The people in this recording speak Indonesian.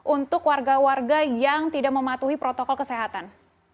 untuk warga warga yang tidak mematuhi protokol kesehatan